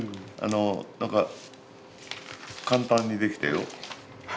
何か簡単に出来たよ。